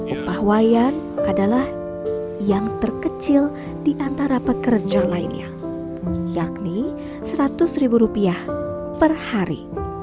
upah wayan adalah yang terkecil di antara pekerja lainnya yakni seratus ribu rupiah per hari